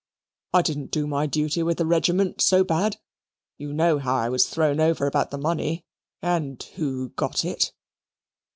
I didn't do my duty with the regiment so bad. You know how I was thrown over about the money, and who got it."